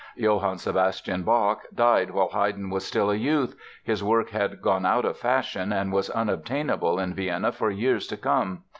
Johann Sebastian Bach died while Haydn was still a youth, his work had gone out of fashion and was unobtainable in Vienna for years to come.